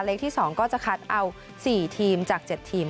ที่๒ก็จะคัดเอา๔ทีมจาก๗ทีม